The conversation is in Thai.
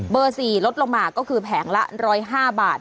เบอร์๔ลดลงมาก็คือแพงละ๑๐๕บาท